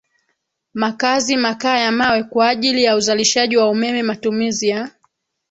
makazi makaa ya mawe kwa ajili ya uzalishaji wa umeme matumizi ya